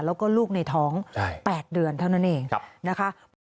แล้วก็ลูกในท้อง๘เดือนเท่านั้นเองนะคะ